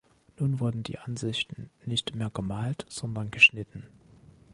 Nun wurden die Ansichten nicht mehr gemalt, sondern geschnitten.